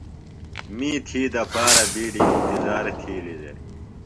می تھی دپارہ بِیڈیۡ اِنتِظار تِھیلیۡ دےۡ۔